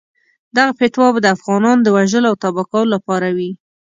دغه فتوا به د افغانانو د وژلو او تباه کولو لپاره وي.